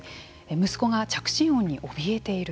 息子が着信音におびえている。